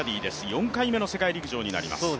４回目の世界陸上になります。